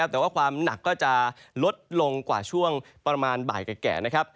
แต่ว่าความหนักก็จะลดลงกว่าช่วงประมาณบ่ายแก่นะครับ